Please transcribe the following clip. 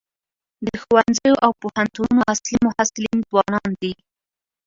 د ښوونځیو او پوهنتونونو اصلي محصلین ځوانان دي.